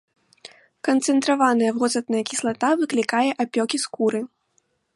Канцэнтраваная воцатная кіслата выклікае апёкі скуры.